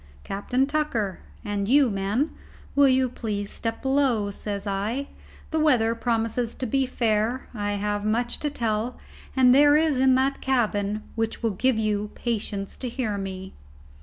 "Captain Tucker, and you, men, will you please step below," says I. "The weather promises fair; I have much to tell, and there is that in the cabin which will give you patience to hear me."